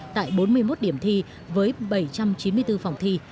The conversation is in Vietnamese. tại bốn mươi một điểm thi với bảy trăm chín mươi bốn phòng thi